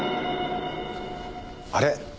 あれ？